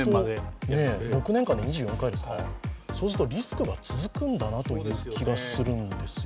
６年間で２４回ですか、そうするとリスクが続くんじゃないかという気がするんですよ。